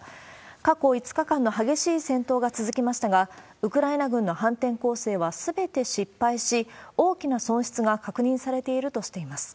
過去５日間の激しい戦闘が続きましたが、ウクライナ軍の反転攻勢はすべて失敗し、大きな損失が確認されているとしています。